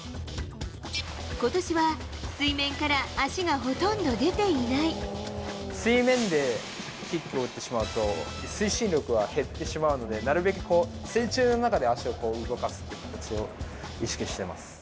ことしは、水面から足がほとんど水面でキックを打ってしまうと、推進力は減ってしまうので、なるべくこう、水中の中で足を動かすっていう形を意識してます。